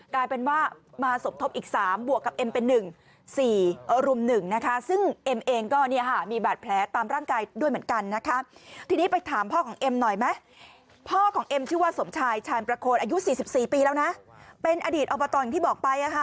กลายเป็นว่ามาสมธพอีก๓